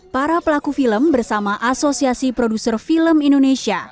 para pelaku film bersama asosiasi produser film indonesia